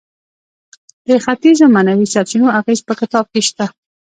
د ختیځو معنوي سرچینو اغیز په کتاب کې شته.